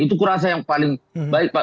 itu kurasa yang paling baik pak